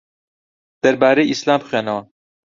دەربارەی ئیسلام بخوێنەوە.